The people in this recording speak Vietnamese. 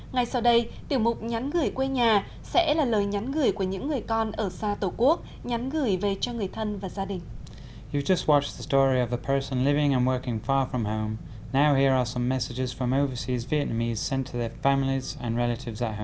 ngay sau đây tiểu mục nhắn gửi quê nhà sẽ là lời nhắn gửi của những người con ở xa tổ quốc nhắn gửi về cho người thân và gia đình